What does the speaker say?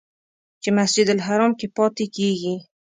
چې مسجدالحرام کې پاتې کېږي.